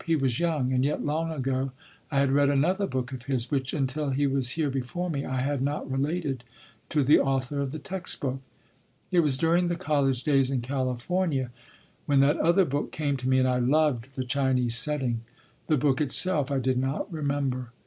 He was young and yet long ago I had read another book of his, which, until he was here before me, I had not related to the author of the text book. It was during the college days in California when that other book came to me, and I loved the Chinese setting. The book itself, I did not remember.